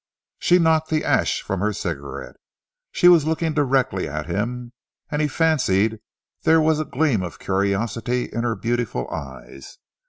She knocked the ash from her cigarette. She was looking directly at him, and he fancied that there was a gleam of curiosity in her beautiful eyes.